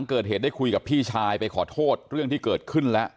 เกิดเหตุได้คุยกับพี่ชายไปขอโทษเรื่องที่เกิดขึ้นแล้ว